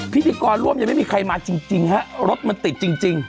พิธีกรร่วมยังไม่มีใครมาจริงฮะรถมันติดจริง